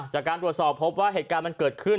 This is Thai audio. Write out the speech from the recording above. จากการตรวจสอบพบว่าเหตุการณ์มันเกิดขึ้น